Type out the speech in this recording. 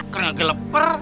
karena gak geleper